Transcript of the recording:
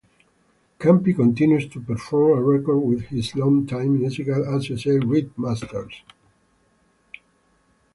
Campi continues to perform and record with his longtime musical associate Rip Masters.